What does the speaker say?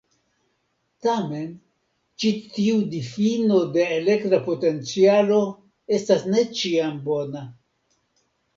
Tamen, ĉi tiu difino de elektra potencialo estas ne ĉiam bona.